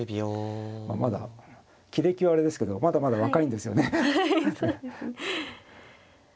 まだ棋歴はあれですけどまだまだ若いんですよね。